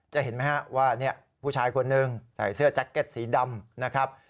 เห็นไหมฮะว่าผู้ชายคนหนึ่งใส่เสื้อแจ็คเก็ตสีดำนะครับ